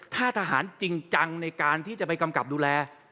ถ้าทหารจริงจังในการที่จะไปกำกับดูแล